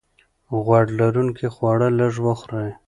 غوړ لرونکي خواړه لږ وخورئ.